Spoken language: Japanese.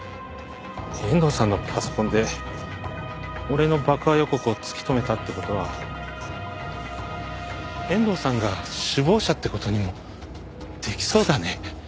遠藤さんのパソコンで俺の爆破予告を突き止めたって事は遠藤さんが首謀者って事にもできそうだね。